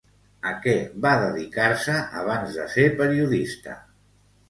A què va dedicar-se abans de ser periodista?